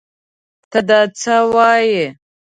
تۀ دا څه وايې ؟